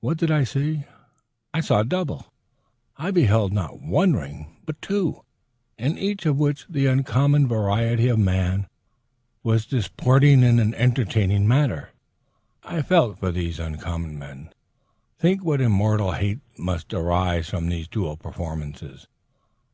What did I see? I saw double. I beheld not one ring but two, in each of which the uncommon variety of man was disporting in an entertaining manner. I felt for these uncommon men. Think what immortal hates must arise from these dual performances!